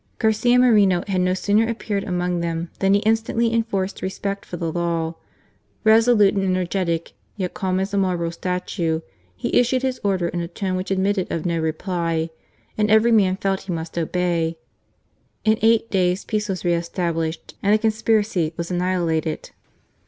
Garcia Moreno had no sooner appeared among them than he instantly enforced respect for the law. Resolute and energetic, yet calm as a marble statue, he issued his order in a tone which admitted of no reply, and every man felt he must obey. In eight days peace was re established, and the conspiracy was annihil ated.